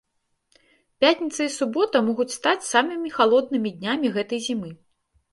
Пятніца і субота могуць стаць самымі халоднымі днямі гэтай зімы.